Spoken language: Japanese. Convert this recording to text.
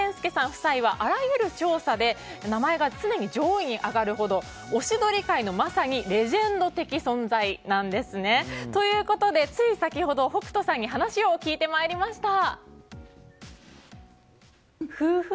夫妻はあらゆる調査で名前が常に上位に上がるほどオシドリ界のまさにレジェンド的存在なんです。ということでつい先ほど北斗さんに話を聞いてまいりました。